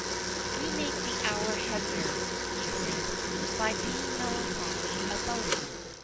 "We make the hour heavier," he said, "by being melancholy about it.